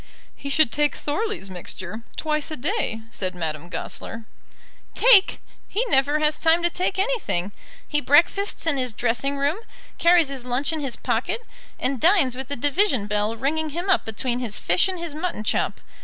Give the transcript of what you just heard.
"He should take Thorley's mixture, twice a day," said Madame Goesler. "Take! he never has time to take anything. He breakfasts in his dressing room, carries his lunch in his pocket, and dines with the division bell ringing him up between his fish and his mutton chop.